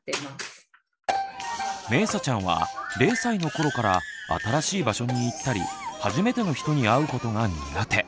めいさちゃんは０歳の頃から新しい場所に行ったり初めての人に会うことが苦手。